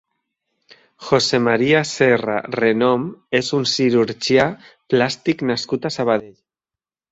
José Maria Serra Renom és un cirurgià plàstic nascut a Sabadell.